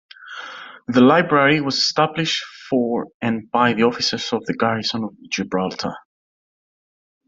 The Library was established for and by the officers of the Garrison of Gibraltar.